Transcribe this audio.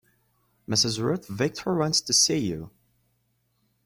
Mrs. Ruth Victor wants to see you.